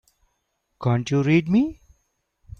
Can't you read me?